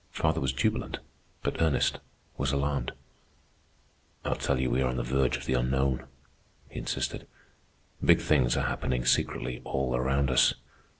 Father was jubilant, but Ernest was alarmed. "I tell you we are on the verge of the unknown," he insisted. "Big things are happening secretly all around us.